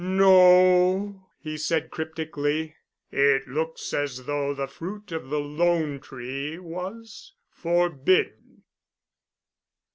"No," he said cryptically. "It looks as though the fruit of the 'Lone Tree' was forbidden."